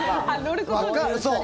そう！